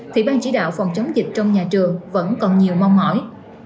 thì ban chỉ đạo phòng chống dịch trong nhà trường vẫn còn nhiều mong mỏi